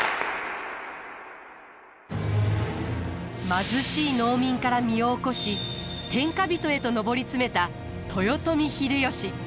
貧しい農民から身を起こし天下人へと上り詰めた豊臣秀吉。